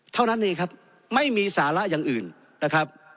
เท่านั้นเองครับไม่มีสาระอย่างอื่นนะครับ